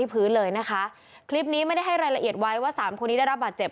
พื้นเลยนะคะคลิปนี้ไม่ได้ให้รายละเอียดไว้ว่าสามคนนี้ได้รับบาดเจ็บ